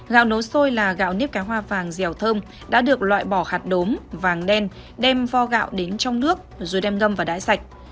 gạo nấu xôi là gạo nếp cá hoa vàng dẻo thơm đã được loại bỏ hạt đốm vàng đen đem pho gạo đến trong nước rồi đem ngâm và đáy sạch